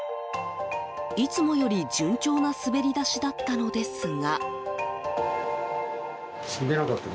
いつもより順調な滑り出しだったのですが。